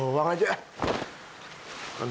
oh orang terkenal